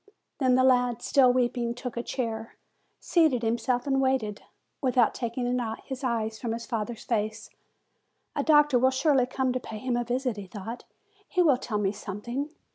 Then the lad, still weeping, took a chair, seated himself and waited, without taking his eyes from his father's face. "A doctor will surely come to pay him a visit," he thought; "he will tell me something."